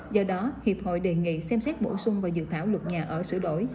do đó hiệp hội đề nghị xem xét bổ sung vào dự thảo luật nhà ở sửa đổi